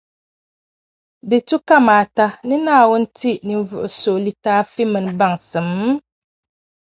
Di tu kamaata ni Naawuni ti ninvuɣu so litaafi mini baŋsim?